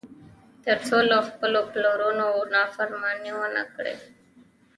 تر څو له خپلو پلرونو نافرماني ونه کړي.